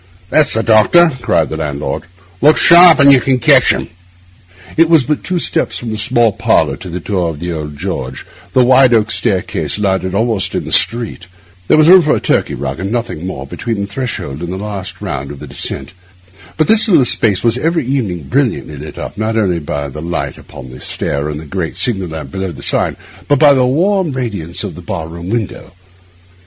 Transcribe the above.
'That's the doctor,' cried the landlord. 'Look sharp, and you can catch him.' It was but two steps from the small parlour to the door of the old George Inn; the wide oak staircase landed almost in the street; there was room for a Turkey rug and nothing more between the threshold and the last round of the descent; but this little space was every evening brilliantly lit up, not only by the light upon the stair and the great signal lamp below the sign, but by the warm radiance of the bar room window.